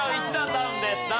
ダウンです。